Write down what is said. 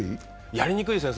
やりにくいですね。